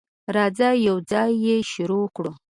راځه، یوځای شروع کړو.